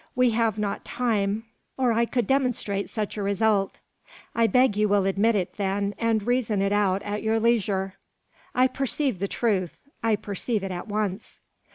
We have not time, or I could demonstrate such a result. I beg you will admit it, then, and reason it out at your leisure." "I perceive the truth; I perceive it at once."